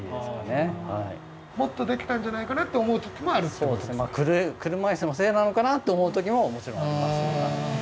もっとできたんじゃないかなって思う時もあるってことですか？って思う時ももちろんありますね。